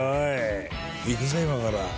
行くぜ今から。